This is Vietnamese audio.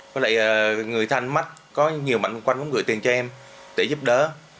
có lại người than mắt có nhiều mạnh quanh cũng gửi tiền cho em để giúp đỡ